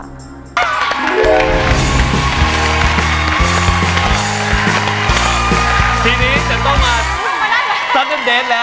มาที่ดวงดาว